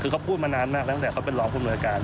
คือเขาพูดมานานมากตั้งแต่เขาไปร้องคุณบริษัทการ